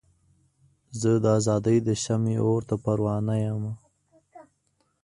زه د ازادۍ د شمعې اور ته پروانه یمه.